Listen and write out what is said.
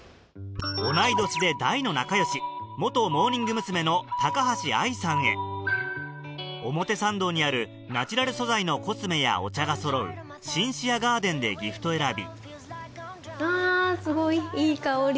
同い年で大の仲良し元モーニング娘。の高橋愛さんへ表参道にあるナチュラル素材のコスメやお茶がそろうＳＩＮＣＥＲＥＧＡＲＤＥＮでギフト選びあすごいいい香り。